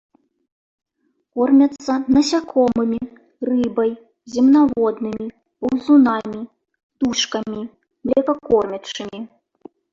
Кормяцца насякомымі, рыбай, земнаводнымі, паўзунамі, птушкамі, млекакормячымі.